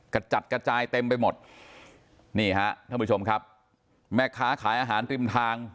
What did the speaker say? กระจัดกระจายเต็มไปหมดนี่ฮะท่านผู้ชมครับแม่ค้าขายอาหารริมทาง